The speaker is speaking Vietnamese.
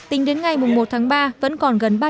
tính đến ngày một ba vẫn còn gần